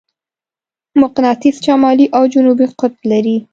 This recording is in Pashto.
مقناطیس شمالي او جنوبي قطب لري.